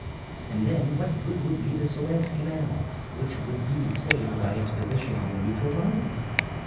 And then, what good would be the Suez Canal, which would be saved by its position on the neutral line?